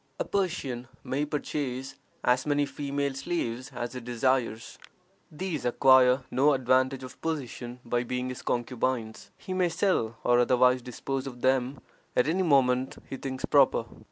A Persian may purchase as many female slaves as he desires. These acquire no advantage of position by being his concubines; he may sell or otherwise dispose of them at any moment he thinks proper.